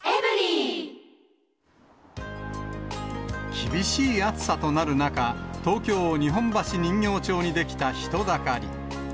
厳しい暑さとなる中、東京・日本橋人形町に出来た人だかり。